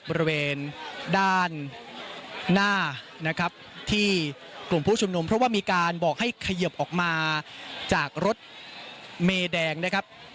บริเวณด้านหน้านะครับที่กลุ่มผู้ชุมนุมเพราะว่ามีการบอกให้เขยิบออกมาจากรถเมแดงนะครับ